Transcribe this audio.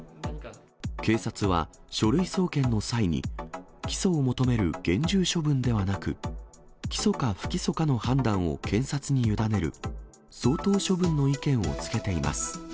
警察は書類送検の際に、起訴を求める厳重処分ではなく、起訴か不起訴かの判断を検察に委ねる、相当処分の意見をつけています。